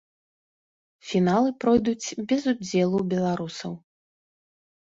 Фіналы пройдуць без удзелу беларусаў.